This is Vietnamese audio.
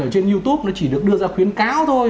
trên youtube nó chỉ được đưa ra khuyến cáo thôi